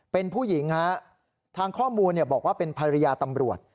เป็นผู้หญิงฮะทางข้อมูลบอกว่าเป็นภรรยาตำรวจ